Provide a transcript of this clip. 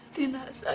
dina gak tau